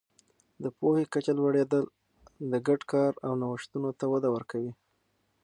د پوهې کچه لوړېدل د ګډ کار او نوښتونو ته وده ورکوي.